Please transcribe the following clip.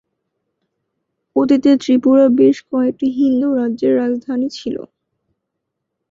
অতীতে ত্রিপুরা বেশ কয়েকটি হিন্দু রাজ্যের রাজধানী ছিল।